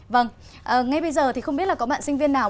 vâng ngay bây giờ thì không biết là có bạn sinh viên nào